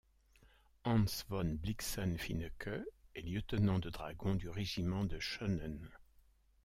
Hans von Blixen-Finecke est lieutenant de dragons du régiment de Schonen.